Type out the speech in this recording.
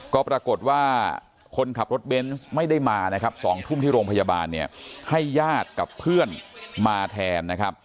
ก็ปรากฏว่าคนขับรถเบนส์ไม่ได้มานะครับ๒ทุ่มที่โรงพยาบาลเนี่ยให้ญาติกับเพื่อนมาแทนนะครับ